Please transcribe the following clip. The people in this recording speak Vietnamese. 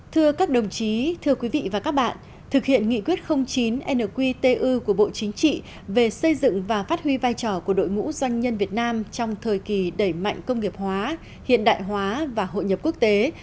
thưa các đồng chí thưa quý vị và các bạn thực hiện nghị quyết chín nqtu của bộ chính trị về xây dựng và phát huy vai trò của đội ngũ doanh nhân việt nam trong thời kỳ đẩy mạnh công nghiệp hóa hiện đại hóa và hội nhập quốc tế